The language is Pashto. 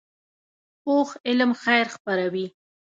پوخ علم خیر خپروي